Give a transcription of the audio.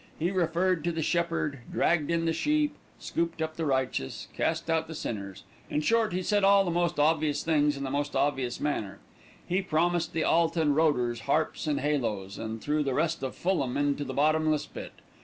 He referred to the shepherd, dragged in the sheep, scooped up the righteous, cast out the sinners; in short he said all the most obvious things in the most obvious manner. He promised the Alton Roaders harps and halos, and threw the rest of Fulham into the bottomless pit.